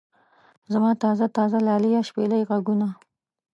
زما تازه تازه لاليه شپېلۍ غږونه.